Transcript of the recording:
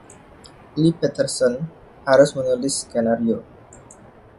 Lee Patterson harus menulis skenario.